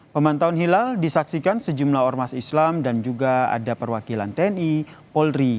pemantauan hilal disaksikan sejumlah ormas islam dan juga ada perwakilan tni polri